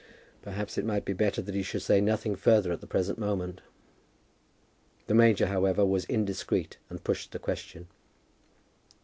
Perhaps it might be better that he should say nothing further at the present moment. The major, however, was indiscreet, and pushed the question.